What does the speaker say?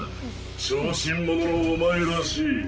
小心者のお前らしいよ。